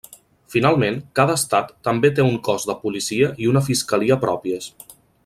Finalment, cada estat també té un cos de policia i una fiscalia pròpies.